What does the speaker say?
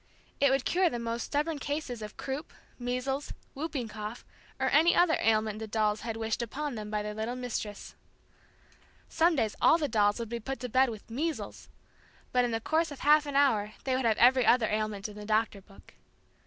It would cure the most stubborn case of croup, measles, whooping cough or any other ailment the dolls had wished upon them by their little Mistress. Some days all the dolls would be put to bed with "measles" but in the course of half an hour they would have every other ailment in the Doctor book.